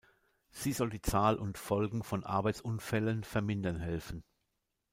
Sie soll die Zahl und Folgen von Arbeitsunfällen vermindern helfen.